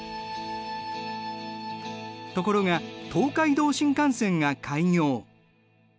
ところが東海道新幹線が開業。